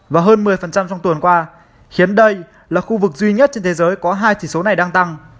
và hơn một mươi trong tuần qua khiến đây là khu vực duy nhất trên thế giới có hai chỉ số này đang tăng